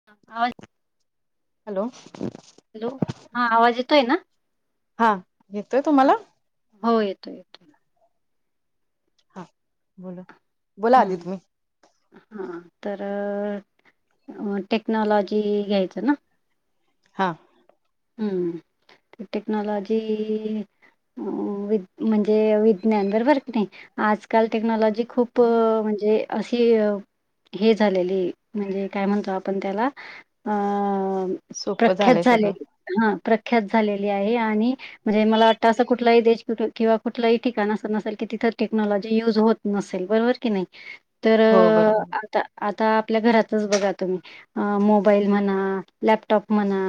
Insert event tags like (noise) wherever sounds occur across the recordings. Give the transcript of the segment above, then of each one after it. (unintelligible) Hello. Hello, हा आवाज येतोय ना? हा, येतोय हा, तुम्हाला? हो येतो, येतो. हा बोल. हं हां, तर टेक्नॉलॉजी घ्यायची हा हम्म, टेक्नॉलॉजी म्हणजे विज्ञान बरोबर की नाय. आजकाल टेक्नॉलॉजी खूप म्हणजे अशी हे झालेली म्हणजे काय म्हणतो आपण त्याला? अ सोपं प्रख्यात झालंय झालेली सगळं हं प्रख्यात झालेली आहे आणी म्हणजे मला वाटतं असं कुठलाही देश किंवा कुठलंही ठिकाणं नसेल कि तिथे क्नॉलॉजी युज होत नसेल बरोबर की नाही तर हो बरोबर आता आता आपल्या घरातच बघा तुम्ही अ मोबाईल म्हणा, लॅपटॉप म्हणा.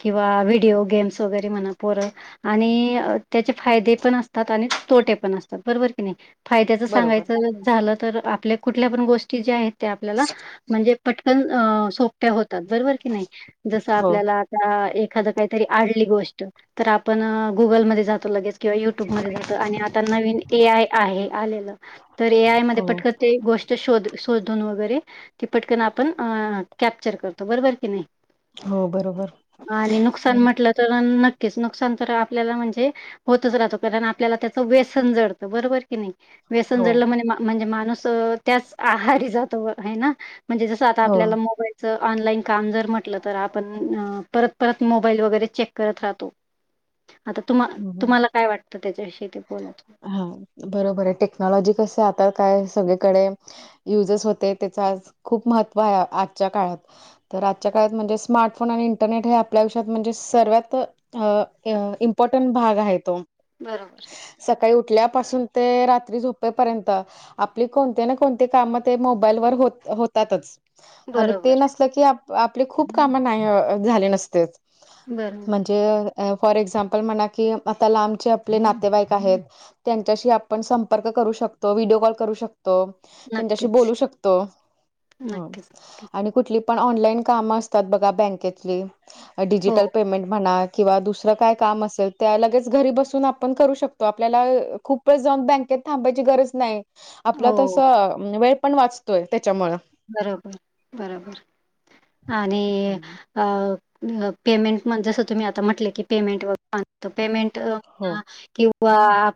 किंवा व्हिडिओ गेम्स वगैरे म्हणा पोरं आणी त्याचे फायदे पण असतात आणी तोटे पण असतात. बरोबर की नाही फायद्याच बरोबर सांगायच झालं तर आपल्या कुठल्या पण गोष्टी ज्या आहेत त्या आपल्याला म्हणजे पटकन अ ते होतं बरोबर की नाही जसं हो आपल्याला आता एखाद काहीतरी आडली गोष्ट तर आपण गुगलमध्ये जातो लगेच किंवा युट्यूब मध्ये जातो आणि आता नवीन ए आय आहे आलेलं तर ए आय मध्ये हो पटक ते गोष्ट शोध शोधून वगैरे ती पटकन आपण कॅप्चर करतो बरोबर की नाही. हो बरोबर. आणी नुकसान बरोबर म्हटलं तर नक्कीच नुकसान तर आपल्याला म्हणजे होतच राहतो कारण आपल्याला त्याच व्यसन जडतं बरोबर की नाही? व्यसन हो जडलं म्हण म्हणजे माणूस त्याच आहारी जातो आहे ना? म्हणजे जसं आता हो आपल्याला मोबाईलचं ऑनलाईन काम जर म्हटलं तर आपण परत परत मोबाईल वगैरे चेक करत राहतो. आता तुम्हा हम्म. तुम्हाला काय वाटतं त्याच्याविषयी ते बोला. हा बरोबर आहे टेक्नॉलॉजी कसंय आता काय सगळीकडे युजस होते त्याचा खूप महत्त्व आहे आजच्या काळात. तर आजच्या काळात म्हणजे स्मार्टफोन आणि इंटरनेट हे आपल्या आयुष्यात म्हणजे सर्वात अ इम्पॉर्टंट भाग आहे तो. बरोबर. सकाळी उठल्यापासून ते रात्री झोपेपर्यंत आपली कोणते ना कोणती काम ते मोबाईलवर होत होतातच आणि बरोबर, ते नसल की आप आपले खूप काम नाही झाले नसतेत.. बरंर. म्हणजे फॉर एक्झाम्पल म्हणा की आता लांबचे आपले नातेवाईक आहेत. त्यांच्याशी आपण संपर्क करू शकतो व्हिडिओ कॉल करू शकतो. त्यांच्याशी नक्कीच, बोलू शकतो ह नक्कीच, नक्कीच. आणि कुठली पण ऑनलाईन कामं असतात बघा बँकेतली हो, डिजिटल पेमेंट म्हणा. किंवा दुसरं काय काम असेल त्या लगेच घरी बसून आपण करू शकतो आपल्याला खूप वेळस जाऊन बँकेत थांबायची गरज नाही. आपलं हो. तसं वेळ पण वाचतोय त्याच्यामुळं. बरोबर, बरोबर आणि हम्म अ पेमेंट जसं तुम्ही आता म्हटले की पेमेंट व पेमेंट हो किंवा आप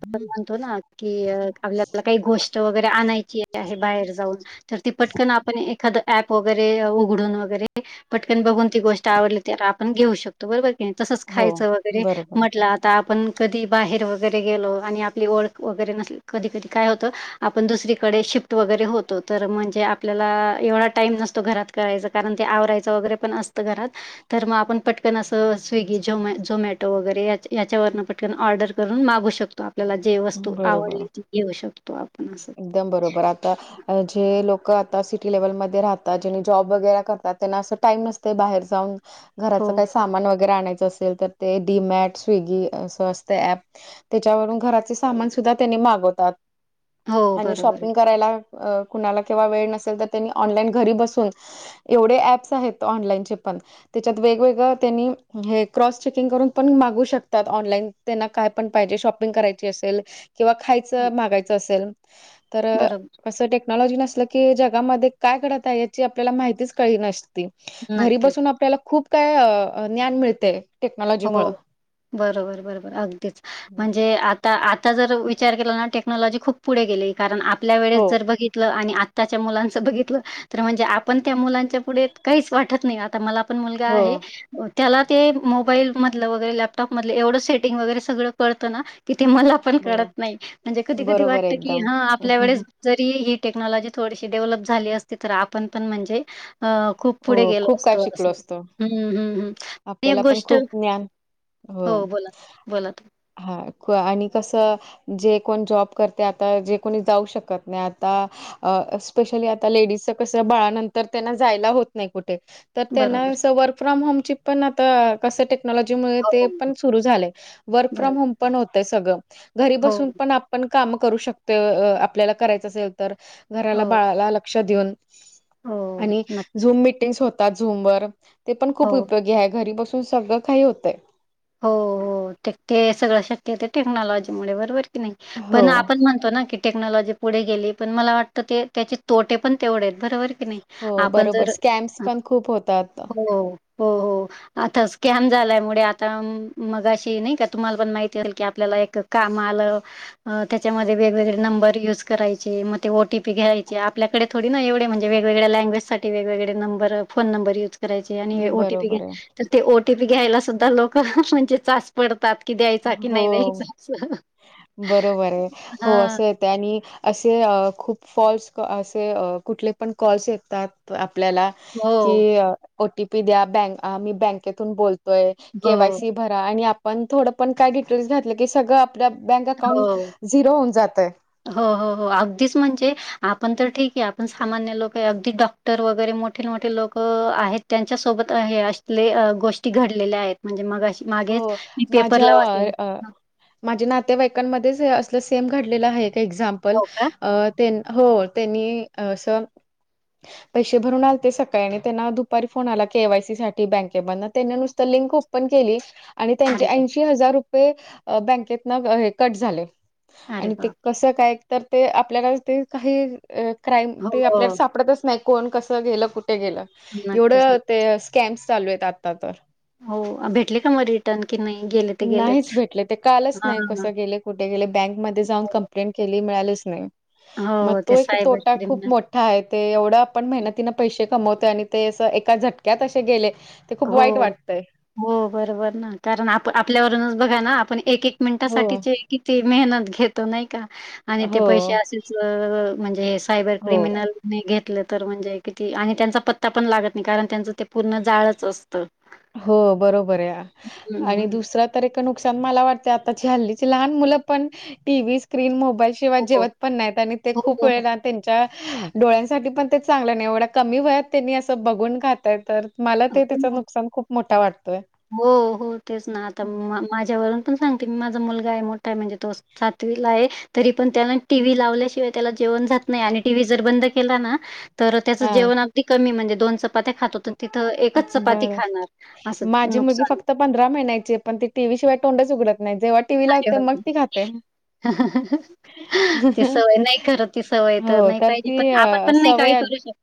हो ना, की आपल्याला काही गोष्ट वगैरे आणायची आहे बाहेर जाऊन तर तु पट पण आपण एखादं ऍप वगैरे उघडून वगैरे. पटकन बघून ती गोष्ट आवडली तर आपण घेऊ शकतो बरोबर की नाय, तसंच हो खायचं वगैरे बरोबर म्हटलं आता आपण कधी बाहेर वगैरे गेलो आणि आपली ओळख वगैरे नसली कधी-कधी काय होतं. आपण दुसरीकडे शिफ्ट वगैरे होतो तर म्हणजे. आपल्याला एवढा टाइम नसतो घरात करायचा कारण ते आवरायचं वगैरे पण असतं घरात. तर मग आपण पटकन असं स्विगी, झ्योमॅ-झोमॅटो वगैरे याच्या याच्यावरन पटकन ऑर्डर करून मागू शकतो. आपल्याला जे वस्तू बरोबर आवडली ती घेऊ शकतो आपण. असं. एकदम बरोबर आता जे लोक आता सिटी लेव्हलमध्ये राहतात जेनी जॉब वगैरे करतात त्यांना असं टाइम नसतय बाहेर जाऊन. घराच हो, काही सामान वगैरे आणायचं असेल तर ते डीमॅट, स्विगी अस असत ऍप त्याच्यावरून घराचे सामान सुद्धा त्यांनी मागवतात. हो आणि बरोबर आहे. शॉपिंग करायला अ कुणाला किंवा वेळ नसेल तर त्यांनी ऑनलाईन घरी बसून. एवढे ऍप्स आहेत ऑनलाइनचे पण. त्याच्यात वेगवेगळ त्यांनी हे क्रॉस चेकिंग करून पण मागू शकतात ऑनलाईन त्यांना काय पण पायजे शॉपिंग करायची असेल. किंवा खायचं मागायचं असेल तर. बरोबर असं टेक्नॉलॉजी नसल की जगामध्ये काय घडत आहे याची आपल्याला माहितीच कळी नसते. ते, घरी नक्कीच. बसून आपल्याला खूप काय अ ज्ञान मिळतेय. हो. बरोबर, बरोबर अगदीच म्हणजे आता-आता जर विचार केला ना टेक्नॉलॉजी खूप. पुढे गेले कारण आपल्या वेळेस हो जर बघितलं आणि त्याच्या मुलांच बघितलं तर म्हणजे आपण त्या मुलांच्या पुढे काहीच वाटत नाही आता मला. मला पण मुलगा हो आहे त्याला ते. मोबाईल मधल वगैरे लॅपटॉप मध एवढं सेटिंग वगैरे सगळ कळत ना की ते मला. पण बरो कळत नाही म्हणजे कधी-कधी बरोबर वाटत की एकदम हा आपल्या वेळेस जरी ही टेक्नॉलॉजी थोडीशी डेव्हलप झाली असती तर आपण पण म्हणजे अ खूप पुढे हो गेलो खूप काय असतो अस, शिकलो असतो हम्मम्म हम्. आपल्याला पण खूप ज्ञान, हो. बोला बोला हा, काॅ आणि कसं. जे कोण जॉब करतय आता जे कोणी जाऊ शकत नाही आता अ स्पेशली आता लेडीजच कस बाळानंतर त्यांना जायला होत नाही कुठे. तर तुम्ही त्यांना बरोबर अस वर्क फ्रॉम होमची पण आता कसं ट टक्नॉलॉजी मुळ हो ते पण सुरू झाले वर्क फ्रॉम बरोबर होम पण होतय सगळं घरी हो बसून पण. पण काम करू शकतो आपल्याला करायचं असेल तर घराला, हो बाळाला लक्ष देऊन हो आणि नक्कीच झुम मिटींग्स होतात झुमवर ती पण हो खुप हो घ्या घरी बसून सगळं काही होतंय. हो हो, तर ते सगळं शक्य टेक्नॉलॉजी मुळे बरोबर. नाही पण हो आपण म्हणतो ना कि. टेक्नॉलॉजी पुढे गेली पण मला वाटतं ते त्याचे तोटे पण तेवढे आहेत बरोबर. की नाही हो आपण बरोबर जर स्कॅम्स पण खूप होतात हो. हो हो, आता स्कॅम झालामुळे. आता मगाशी नाही का तुम्हाला पण माहिती असेल की आपल्याला एक काम आलं. त्याच्यामध्ये वेगवेगळे नंबर यूज करायचे मग ते ओ टीपी घ्यायचे आपल्याकडे. थोडी ना एवे म्हणे वेगवेगळे लँग्वेज साठी वेगवेगळे नंबर फोन नंबर युज करायचे. ओटीपी घ्या बरोबर आहे. तर ते ओटीपी घ्यायला सुद्धा लोक म्हणजे चाच पडतात. कि द्यायचा कि हो नाही द्यायचा अस हा. त्यांनी असे खूप फॉल्स क असे कुठले पण कॉल्स येतात आपल्याला. हो, की ओटीपी द्या ब मी बँकेतून बोलतोय हो, केवायसी. भरा आणि आपण थोडं पण काय डिटेल्स घातलं की सगळं आपल्या बँक अकाउंट. हो. झिरो होऊन जातय. हो हो हो अगदीच म्हणजे आपण तर ठीक आहे आपण सामान्य लोक आहे अगदी डॉक्टर. तर वगैरे मोठे मोठे लोक आहेत त्यांच्यासोबत हे असले गोष्टी घडलेल्या आहेत. म्हणजे मगशी मागेच मी पेपरला वाचलं. माझे नातेवाईकांमध्येच अस सेम घडलेलं आहे एक एझाम्पल. हो का? त्यां हो त्यांनी असं. ह (unintelligible) पैसे भरून आलते सकाळी आणि त्यांना दुपारी फोन आला केवायसी साठी बँकेतुन त्यांनी नुसतं लिंक ओपन केली. आणि त्यांचे अरे बापरे! ऐंशी हजार रुपये अ बँकेतन हे कट झाले. अरे आणि ते बापरे! कस काय तर ते आपल्याला ते काही क्राईम ते आपल्याला हो, सापडतच नाही कोण कसं गेलं कुठे गेलं नक्कीच, एवढं नक्की. ते कॅम्प्स चालू आहेत आता तर. हो भेटले का मग. की नाही गेले. ते गेलेच. नाहीच भेटले ते कळताच हां, नाही कसं गेले कुठे गेले बँकमध्ये जाऊन हो. कंप्लीट. बँक मध्ये जाऊन कम्प्लीट केली पण काही मिळालेच नाही पण हो, ते तो एक सायबर मोठा क्रिमिनल. तोटा. हाय ते एवढं आपण मेहनतीन पैसे कमवतो आणि ते अस एका झटक्यात असे गेले. ते खूप हो वाईट वाटतंय. हो बरोबर ना कारण आप आपल्यावरूनच बघा ना आपण. एक एक हो, मिनिटासाठीचे किती मेहनत घेतो नाही का? आणि ते हो, पैसे असेच म्हणजे सायबर हो, क्रिमिनल. नाही घेतलं तर म्हणजे किती आणि त्यांचा पत्ता पण लागत नाही कारण त्यांचं ते पूर्ण जाळच असतं हो बरोबर आहे हं, आणि हं. दुसरा इतक नुकसान मला वाटतंय आत्ताची हाल्लीची लहान मुल पण टीव्ही स्क्रीन मोबाईल शिवाय हो, जेवत पण नाहीत आणि ते हो, खूप हो, वेळ त्यांच्या डोळ्यांसाठी पण ते चांगलं नाही एवढ्या कमी वयात त्यांनी असं बघून खातय तर. मला ते हो. त्याचं नुकसान खूप मोठा वाटतोय. हो हो तेच ना आता हं, माझ्यावरून पण सांगते माझा मुलगा आहे मोठा. य म्हणजे तो सातवीला आहे. तरी पण त्यान टीव्ही लावल्याशिवाय त्याला जेवण जात नाही आणि टीव्ही जर बंद केला ना. तर त्याचं हां. जेवण अगदी कमी म्हणजे दोन चपात्या खातो तर तिथं अ, एकच चपाती बरं. खाणार असं. माझी मुलगी नुकसान. फक्त पंधरा महिन्याची पण ती टीव्ही शिवाय तोंडच उघडत नाही जेव्हा टीव्ही अरे लागते मग बापरे! ती खाते. ती सवय नाही खरं ती सवय हो नाही तर पाहिजे ती पण आपण अ पण नाही काही सवय. करू शकत.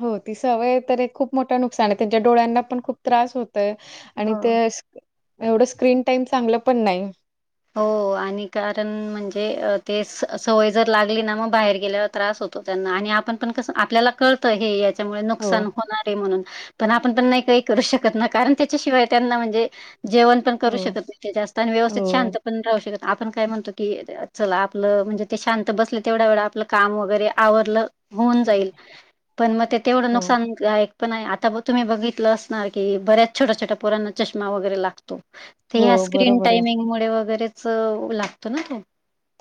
हो ती सवय. तर खूप मोठं नुकसान आहे त्यांच्या डोळ्यांना पण खूप त्रास होतय आणि हो. ते. एवढं स्क्रीन टाइम चांगलं पण नाही. हो आणि कारण म्हणजे ते सवय जर लागली ना मग बाहेर गेल्यावर. त्रास होतो त्यांना आणि आपण पण कसं आपल्याला कळतं हे याच्यामुळे हो, नुकसान होणारे म्हणून पण आपण पण नाही काही करू शकत ना कारण त्याच्याशिवाय त्यांना म्हणजे जेवण पण करू हो, शकत ते जास्त आणि व्यवस्थित हो, शांत शक आपण काय म्हणतो क च आपलं म्हणजे ते शांत बसले तेवढ्या वे आपलं काम वगैरे आवरलं होऊन जाईल पण मग ते तेवढं हो, नुकसान पण आता तुम्ही बघितलं असणार की बऱ्याच छोट्या छोट्या पोरांना चष्मा वगैरे लागतो. ते हो ह्या स्क्रीन बरोबर आहे. टायमिंग म वगैरेच लागतो ना त.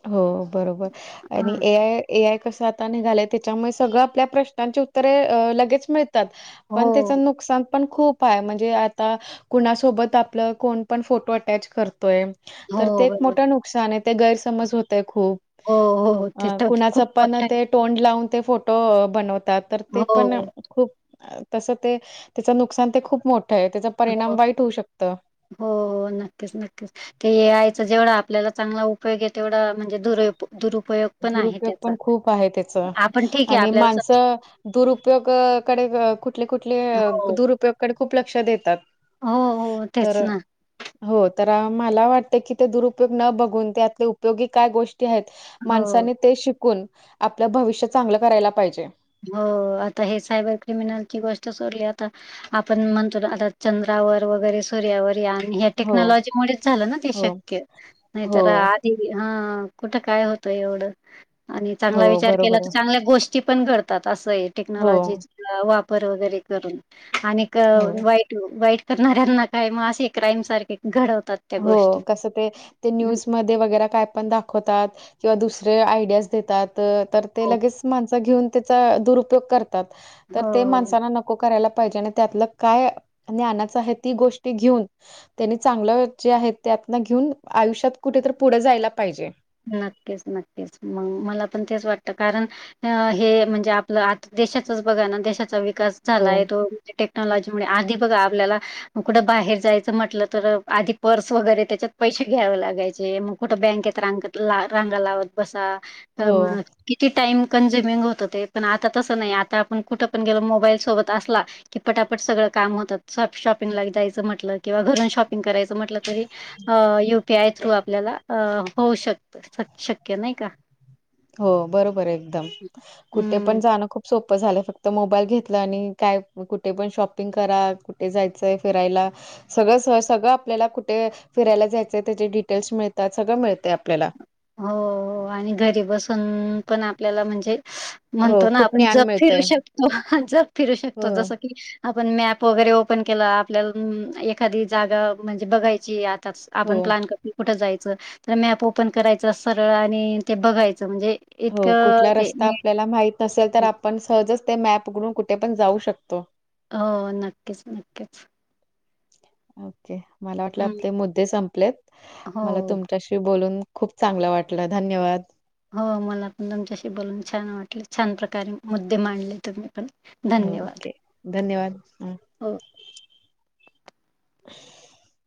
हो बरोबर आणि ए आय ए आय कसं आता निघालाय त्याच्यामुळे सगळं आपल्या प्रश्नांची उत्तरे लगेच मिळ तात हो, पण त्याच नुकसान पण खूप हाय म्हणजे आता कुणासोबत आपलं कोण पण फोटो अटॅच करतोय. हो, तर ते एक बरोबर. मोठं नुकसान हाय ते गैरसमज होतय खूप. हो, हो. ते अ तर कुणाच खूप पन मोठं आहे. ते टोंड लावून ते फोटो बनवतात तर ते पण हो, खूप तसं ते त्याचं नुकसान ते खूप मोठं हे त्याचा परिणाम हो, वाईट होऊ शकतं. हो नक्कीच नक्कीच. ते यायचं जेवढा आपल्याला चांगला उपयोग आहे तेवढा म्हणजे दुर उप दुरपयोग दुरुपयोग पण खूप आहे त्याच आपण ठीक आहे आणि आपल्याला समज माणसं दुरुपयोगकडे कुठले कुठले हो, दुरुपयोगाकडे खूप लक्ष देतात. हो हो तर तेच ना हो तर मला वाटत की ते दुरुपयोग न बघून तेतले उपयोगी काय गोष्टी आहेत हो. माणसानी ते शिकून आपलं भविष्य चांगलं करायला पाहिजे. हो आता हे सायबर क्रिमिनलची गोष्ट सोडली आता आपण म्हणतो आता चंद्रावर वगैरे सूर्यावर यान हो टेक्नॉलॉजी मुले झालं ना ते हो शक्य नाही हो तर आज हा कुठ काय होत एवढं आणि हो चांगला विचार केला बरोबर तर आहे. चांगल्या गोष्टी ची पण करतात असय हो टेक्नलॉजी वापर वगेरे करून आणि क हो वाईट वाईट करणाऱ्यांना काय मग असे क्राईम सारखे घडवतात. त्या हो गोष्टी. कस ते ते हं. न्यूजमध्ये वगैरे काय पण दाखवतात किंवा दुसरे आयडियाज देतात. तर ते हो हो. लगेच माणस घेऊन त्याचा दुरुपयोग करतात तर ते हो. माणसाना न नको करायला पाहिजे आणि त्यातलं काय ज्ञानाचा आहे ती गोष्टी घेऊन त्यांनी चांगलं जे आहेत त्यांतन घेऊन आयुष्यात कुठ तर पुढ जायला पाहिजे. नक्कीच नक्कीच मग मला पण तेच वाटत कारण अ हे म्हणजे आपलं आता देशाचाच बघा ना देशाचा विकास हो. झालाय तो टेक्नॉलॉजी मुळे आणि आधी बघा आपल्याला मग कुठं बाहेर जायचं म्हटलं तर आधी पर्स वगैरे त्याच्यात पैसे घ्यावे लागायचे मग कुठं बँक येत रांग रांगा लावत बसा हो, मग किती टाइम कंनझ्युमिंग होत ते पण आता तसं नाही आता आपण कुठं पण गेलो मोबाईल सोबत असला कि पटापट सगळं काम होतात शॉपिंगला जायचं म्हटलं किंवा घरून शॉपिंग करायचं म्हटलं तरी अ यु पी आय थ्रू आपल्याला अ होऊ शकत शक्य नाही का. हो बरोबर आहे एकदम कुठे हम्म पण जाणं खूप सोपं झालं आहे फक्त मोबाईल घेतला आणि काय कुठे पण शॉपिंग करा कुठे जायचं आहे फिरायला सगळं स सगळं आपल्याला कुठे फिरायला जायचं त्याचे डिटेल्स मिळतात सगळं मिळतय आपल्याला. हो आणि घरी बसून पण आपल्याला म्हणजे हो म्हणतो ना खूप आपण ज्ञान जग फिरू मिळतय शकतो जग फिरू शकतो हो जस की आपण मॅप वगैरे ओपन केला आपल्याला एखादी जागा म्हणजे बघायची आताच हो आपण प्लॅन करतो कुठं जायचं तर मॅप ओपन करायचं सरळ आणि ते बघायचं म्हणजे हो इतकं कुठला ते रस्ता नीट. आपल्याला माहित नसेल तर आपण सहजच ते मॅप उघडून कुठे पण जाऊ शकतो. हो नक्कीच नक्कीच. ओके मला वाटलं हम्म, आपले मुद्दे संपलेत मला हो तुमच्याशी बोलून खूप चांगलं वाटलं. धन्यवाद! हो मला पण तुमच्याशी बोलून छान वाटले. छान प्रकारे मुद्दे मांडले तुम्ही पण हो धन्यवाद ओके धन्यवाद ह! हो. (unintelligible)